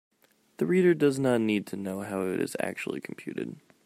The reader does not need to know how it is actually computed.